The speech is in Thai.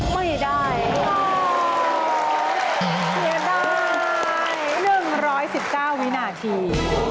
ไม่ได้ไม่ได้๑๑๙วินาที